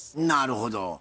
なるほど。